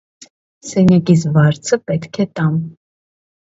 Սենյակիս վարձը պետք է տամ: